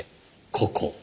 ここ。